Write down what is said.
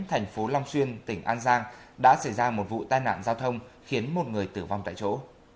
thành phố long xuyên tỉnh an giang đã xảy ra một vụ tai nạn giao thông khiến một người tử vong tại chỗ